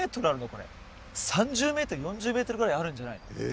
これ３０メートル４０メートルぐらいあるんじゃないの？